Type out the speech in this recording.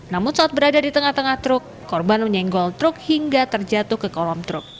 namun saat berada di tengah tengah truk korban menyenggol truk hingga terjatuh ke kolam truk